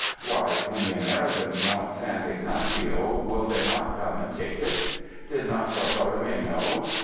Why, when the Americans want San Ygnacio, will they not come and take it? Did not I>artolome know?